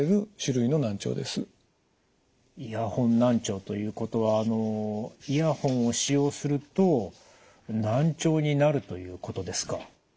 難聴ということはイヤホンを使用すると難聴になるということですか？